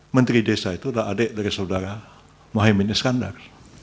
menteri desa itu adalah adik dari saudara mohaimin iskandar